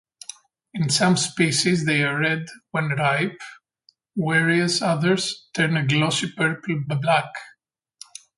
In some species they are red when ripe, whereas others turn a glossy purple-black.